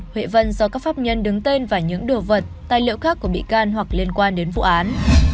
huệ vân do các pháp nhân đứng tên và những đồ vật tài liệu khác của bị can hoặc liên quan đến vụ án